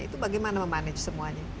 itu bagaimana memanage semuanya